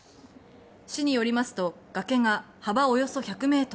市によりますと崖が幅およそ１００ｍ